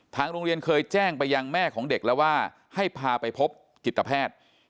โรงเรียนเคยแจ้งไปยังแม่ของเด็กแล้วว่าให้พาไปพบจิตแพทย์